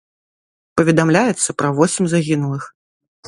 Паведамляецца пра восем загінулых.